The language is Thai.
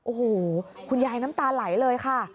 โอ้โหคุณยายน้ำตาไหลเลยค่ะ